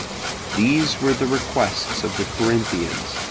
These were the requests of the Corinthians.